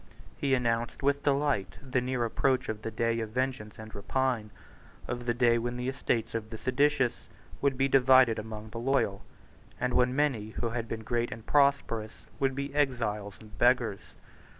He announced with delight the near approach of the day of vengeance and rapine, of the day when the estates of the seditious would be divided among the loyal, and when many who had been great and prosperous would be exiles and beggars.